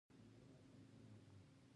غول د کم رطوبت فریاد کوي.